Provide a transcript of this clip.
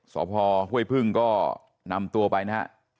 สฮฮก็นำตัวไปนะฮะ